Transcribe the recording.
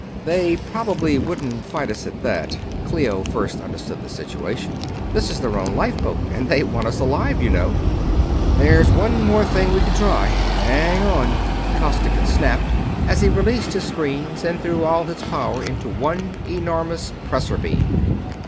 "They probably wouldn't fight us, at that," Clio first understood the situation. "This is their own lifeboat, and they want us alive, you know." "There's one more thing we can try hang on!" Costigan snapped, as he released his screens and threw all his power into one enormous pressor beam.